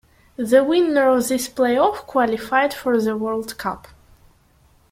The winner of this play-off qualified for the World Cup.